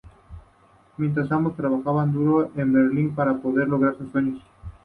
Mientras, ambos trabajaban duro en Beijing para poder lograr sus sueños.